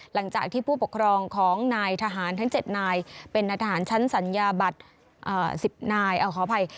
หลังจากที่ผู้ปกครองของนายทหารทั้ง๗นายเป็นทหารชั้นสัญญาบัตร๑๐นายขออภัย